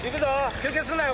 休憩するなよ！